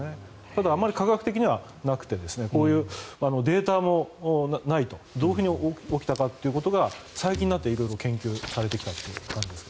ただ、あまり科学的にはなくてこういうデータもないどういうふうに起きたかということが最近になって色々研究されてきたという感じです。